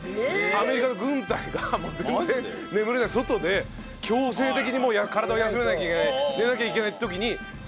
アメリカの軍隊が全然眠れない外で強制的に体を休めなきゃいけない寝なきゃいけない時にそれをやるんですって。